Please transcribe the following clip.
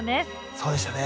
そうでしたね。